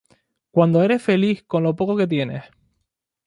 Cuando eres feliz con lo poco que tienes.